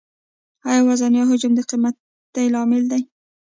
آیا وزن یا حجم د قیمتۍ لامل دی؟